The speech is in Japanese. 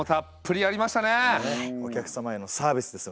お客様へのサービスです。